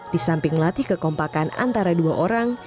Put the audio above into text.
di samping melatih kekompakan antara dua orang